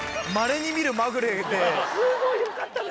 すごいよかったね。